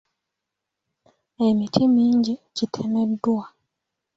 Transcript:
Emiti mingi gitemeddwa.